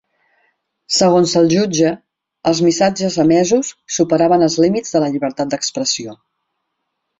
Segons el jutge, els missatges emesos superaven els límits de la llibertat d’expressió.